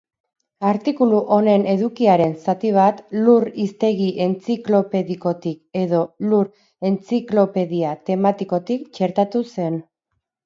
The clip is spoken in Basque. Artikulu honen edukiaren zati bat Lur hiztegi entziklopedikotik edo Lur entziklopedia tematikotik txertatu zen